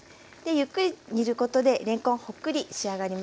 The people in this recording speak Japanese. ゆっくり煮ることでれんこんホックリ仕上がりますね。